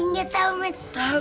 ih binget tau mait